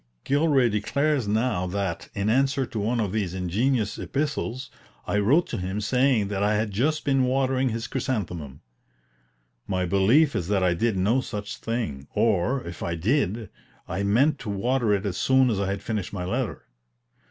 Gilray declares now that, in answer to one of these ingenious epistles, I wrote to him saying that "I had just been watering his chrysanthemum." My belief is that I did no such thing; or, if I did, I meant to water it as soon as I had finished my letter.